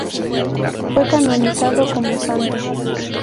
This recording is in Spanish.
Fue canonizado como santo.